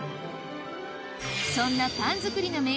そんなパン作りのあっ。